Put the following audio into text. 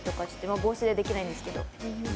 帽子でできないんですけど。